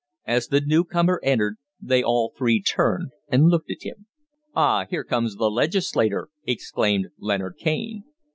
As the new comer entered they all three turned and looked at him. "Ah, here comes the legislator!" exclaimed Leonard Kaine.